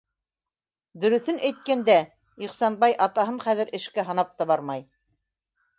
Дөрөҫөн әйткәндә, Ихсанбай атаһын хәҙер эшкә һанап та бармай.